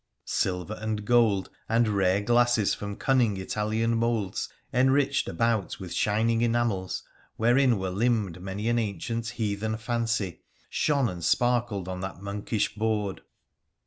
Silver and gold, and rare glasses from cunning Italian moulds, enriched about with shining enamels wherein were limned many an ancient heathen fancy, shone and sparkled on that monkish board.